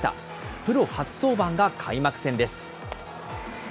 プロ初登板が開幕戦です。